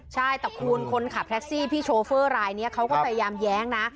ใช่แต่คุณคนขับแท็กซี่พี่โชเฟอร์รายนี้เขาก็พยายามแย้งนะ